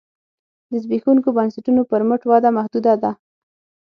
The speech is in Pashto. د زبېښونکو بنسټونو پر مټ وده محدوده ده